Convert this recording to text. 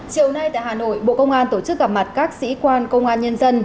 chiều nay tại hà nội bộ công an tổ chức gặp mặt các sĩ quan công an nhân dân